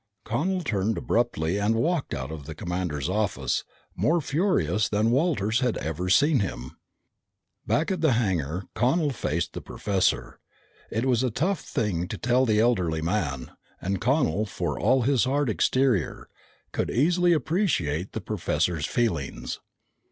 Connel turned abruptly and walked out of the commander's office, more furious than Walters had ever seen him. Back at the hangar, Connel faced the professor. It was a tough thing to tell the elderly man, and Connel, for all his hard exterior, could easily appreciate the professor's feelings.